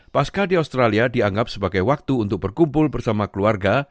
paskah di australia dianggap sebagai waktu untuk berkumpul bersama keluarga